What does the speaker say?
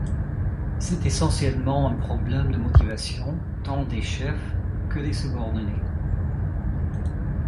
C'est essentiellement un problème de motivation tant des chefs que des subordonnés.